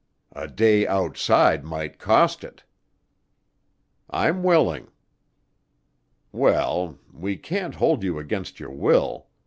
"A day outside might cost it." "I'm willing." "Well, we can't hold you against your will.